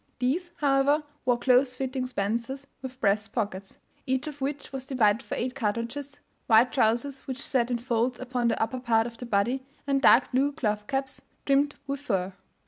These, however, wore close fitting spencers with breast pockets, each of which was divided for eight cartridges, wide trousers, which sat in folds upon the upper part of the body, and dark blue cloth caps, trimmed with fur.